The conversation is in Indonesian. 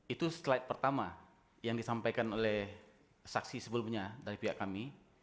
itu slide pertama yang disampaikan oleh saksi sebelumnya dari pihak kami